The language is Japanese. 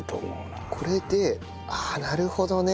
これでああなるほどね。